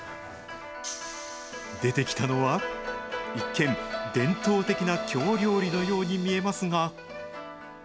出てきたのは、一見、伝統的な京料理のように見えますが。